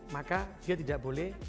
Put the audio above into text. maka dia tidak boleh